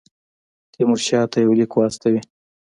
تیمورشاه ته یو لیک واستوي.